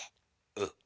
うん。